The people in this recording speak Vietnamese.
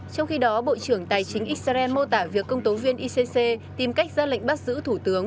trong khi đó bộ trưởng tài chính israel mô tả việc công tố viên icc tìm cách ra lệnh bắt giữ thủ tướng